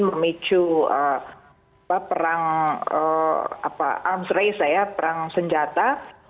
memicu perang arms race ya perang senjata